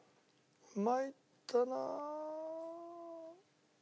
まいったな。